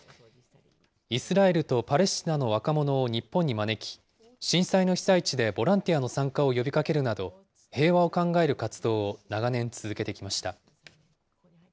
イスラエルとパレスチナの若者を日本に招き、震災の被災地でボランティアの参加を呼びかけるなど、平和を考える活動を長年続けてきました。